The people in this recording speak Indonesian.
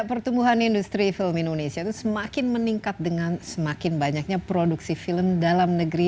pertumbuhan industri film indonesia itu semakin meningkat dengan semakin banyaknya produksi film dalam negeri